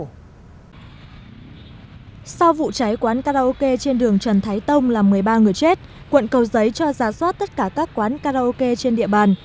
sau vụ cháy quán karaoke trên đường trần thái tông làm một mươi ba người chết quận cầu giấy cho giả soát tất cả các quán karaoke trên địa bàn